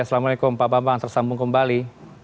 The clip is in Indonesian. assalamualaikum pak bambang tersambung kembali